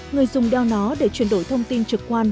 người dùng đeo nó để chuyển đổi thông tin trực quan